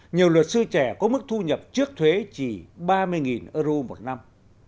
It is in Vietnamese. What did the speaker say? nhiều luật sư trẻ có mức thu nhập trước thuế chỉ ba mươi euro một năm